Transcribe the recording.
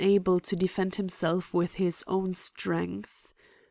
237 able to defend himbcif with his own strength.